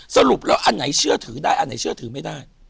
สรุปแล้วอันไหนเชื่อถือได้อันไหนเชื่อถือไม่ได้